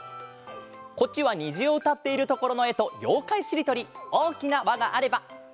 こっちは「にじ」をうたっているところのえと「ようかいしりとり」「おおきなわがあれば」。